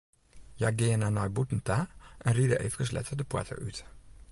Hja geane nei bûten ta en ride eefkes letter de poarte út.